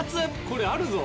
これあるぞ。